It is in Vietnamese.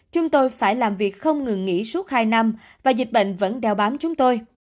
chúng tôi phải làm việc không ngừng nghỉ suốt hai năm và dịch bệnh vẫn đeo bám chúng tôi